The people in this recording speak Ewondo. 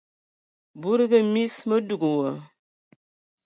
Budugi mis, mə dug wa.